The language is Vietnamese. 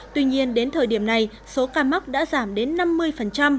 tuy nhiên đến thời điểm này số ca mắc đã giảm đến năm mươi